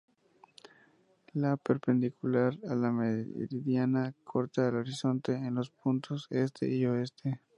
La perpendicular a la meridiana corta al horizonte en los puntos este y oeste.